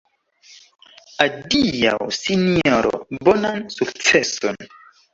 Adiaŭ, sinjoro, bonan sukceson.